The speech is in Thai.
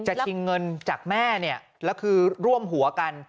ชิงเงินจากแม่เนี่ยแล้วคือร่วมหัวกัน